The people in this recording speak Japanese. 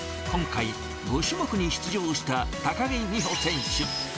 今回、５種目に出場した高木美帆選手。